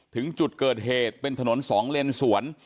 ถึงจุดเกิดเหตุเป็นถนนสองเลนสวน